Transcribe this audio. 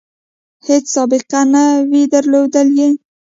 هیڅ سابقه نه وي درلودلې.